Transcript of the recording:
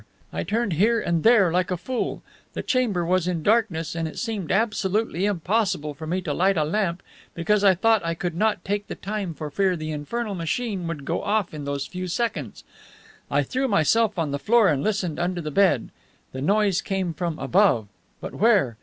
I turned here and there like a fool. The chamber was in darkness and it seemed absolutely impossible for me to light a lamp because I thought I could not take the time for fear the infernal machine would go off in those few seconds. I threw myself on the floor and listened under the bed. The noise came from above. But where?